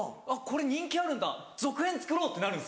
「これ人気あるんだ続編作ろう」ってなるんですよ。